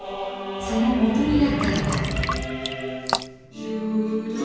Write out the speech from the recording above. そのもとになったのは。